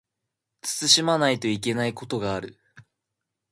慎まないといけないことがある